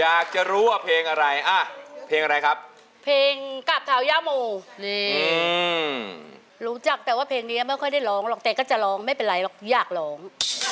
อยากจะรู้ว่าเพลงอะไรอ่ะเพลงอะไรครับเพลงกราบเท้าย่าโมนี่รู้จักแต่ว่าเพลงนี้ไม่ค่อยได้ร้องหรอกแต่ก็จะร้องไม่เป็นไรหรอกอยากร้อง